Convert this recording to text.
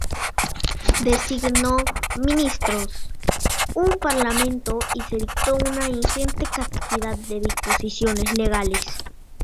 Designó ministros, hubo un parlamento y se dictó una ingente cantidad de disposiciones legales.